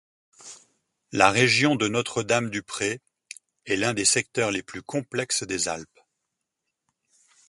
La région de Notre-Dame-du-Pré est l'un des secteurs les plus complexes des Alpes.